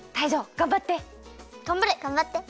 がんばって！